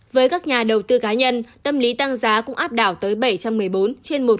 với các nhà đầu tư cá nhân tâm lý tăng giá cũng áp đảo tới bảy trăm một mươi bốn trên một một mươi ba